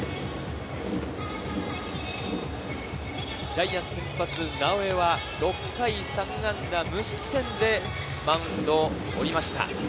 ジャイアンツ先発・直江は６回、３安打無失点でマウンドを降りました。